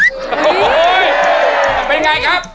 โอ้โฮเดี่ยังไงครับ